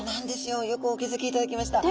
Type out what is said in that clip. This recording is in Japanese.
よくお気付きいただきました。